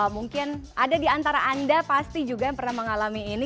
mungkin ada di antara anda yang pernah mengalami ini